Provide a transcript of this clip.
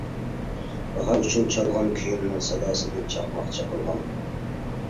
باھار ئۈچۈن چالغان كۆيۈمنىڭ، ساداسىدىن چاقماق چېقىلغان.